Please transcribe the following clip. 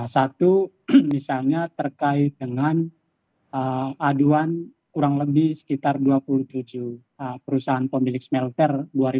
satu misalnya terkait dengan aduan kurang lebih sekitar dua puluh tujuh perusahaan pemilik smelter